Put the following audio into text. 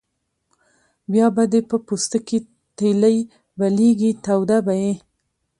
بیا به دې په پوستکي تیلی بلېږي توده به یې.